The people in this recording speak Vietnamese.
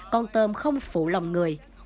con tôm không phụ lòng người